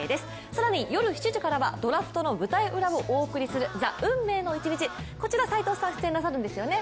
更に寄る７時からはドラフトの舞台裏をお送りする「ＴＨＥ運命の１日」、こちら斎藤さんが出演なさるんですね。